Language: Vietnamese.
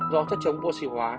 do chất chống oxy hóa